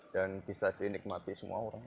dan bisa dinikmati semua orang